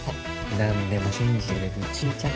なんでも信じてくれるちーちゃん。